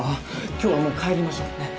今日はもう帰りましょうねっ？